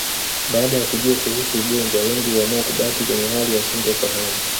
Baada ya kujua kuhusu ugonjwa wengi huamua kubaki kwenye hali ya sintofahamu